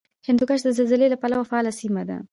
هندوکش د زلزلې له پلوه فعاله سیمه ده